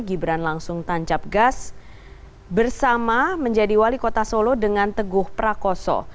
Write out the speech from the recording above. gibran langsung tancap gas bersama menjadi wali kota solo dengan teguh prakoso